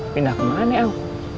pindah kemana nih ang